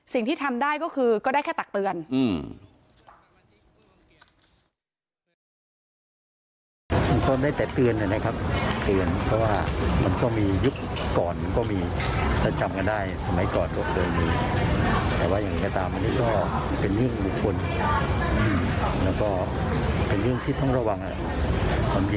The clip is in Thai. สิ่งที่ทำได้ก็คือก็ได้แค่ตักเตือน